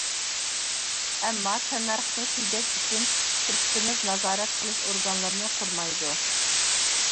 ئەمما تەننەرخنى تېجەش ئۈچۈن، شىركىتىمىز نازارەت قىلىش ئورگانلىرىنى قۇرمايدۇ.